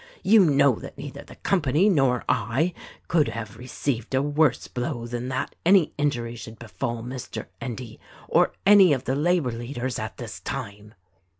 You know that neither the company nor I could have received a worse blow than that any injury should befall Mr. Endy or any of the labor leaders at this time."